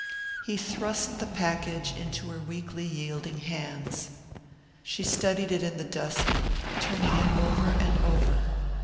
He thrust the package into her weakly yielding hands. She studied it in the dusk, turning it over and over.